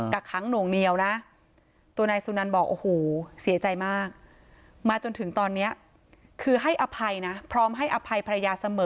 กค้างหน่วงเหนียวนะตัวนายสุนันบอกโอ้โหเสียใจมากมาจนถึงตอนนี้คือให้อภัยนะพร้อมให้อภัยภรรยาเสมอ